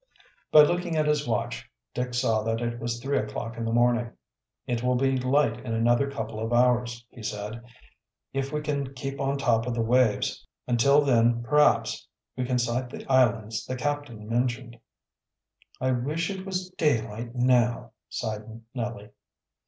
By looking at his watch Dick saw that it was three o'clock in the morning. "It will be light in another couple of hours," he said. "If we can keep on top of the waves until then perhaps we can sight the islands the captain mentioned." "I wish it was daylight now," sighed Nellie.